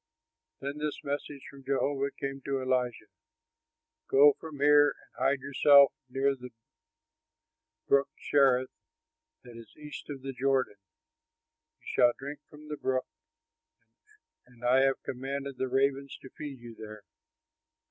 Then this message from Jehovah came to Elijah: "Go from here and hide yourself near the Brook Cherith that is east of the Jordan. You shall drink from the brook, and I have commanded the ravens to feed you there."